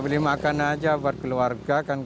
beli makan saja buat keluarga